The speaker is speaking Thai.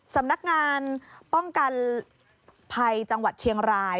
สำนักงานป้องกันภัยจังหวัดเชียงราย